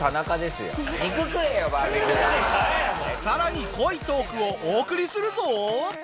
さらに濃いトークをお送りするぞ！